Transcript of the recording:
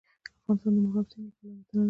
افغانستان د مورغاب سیند له پلوه متنوع دی.